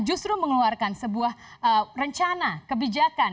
justru mengeluarkan sebuah rencana kebijakan